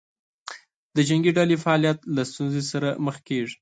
د جنګې ډلې فعالیت له ستونزې سره مخ کېږي.